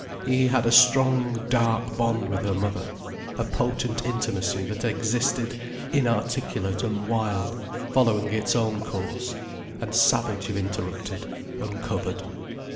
He had a strong, dark bond with her mother, a potent intimacy that existed inarticulate and wild, following its own course, and savage if interrupted, uncovered.